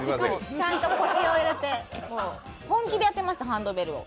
ちゃんと腰を入れて本気でやってました、ハンドベルを。